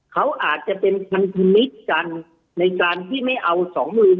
เขาอาจจะเป็นพันธมิตรกันในการที่ไม่เอาสองหมื่น